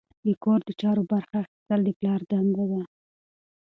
د کور د چارو برخه اخیستل د پلار دنده ده.